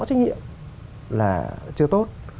trách nhiệm là chưa tốt